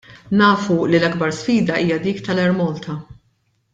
Nafu li l-akbar sfida hija dik tal-Air Malta.